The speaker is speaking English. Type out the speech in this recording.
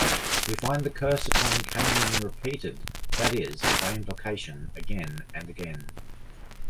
We find the curse upon Canaan repeated, that is, by implication, again and again.